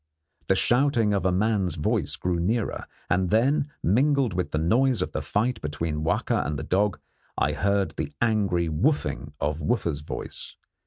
The shouting of the man's voice grew nearer, and then, mingled with the noise of the fight between Wahka and the dog, I heard the angry 'wooffing' of Wooffa's voice.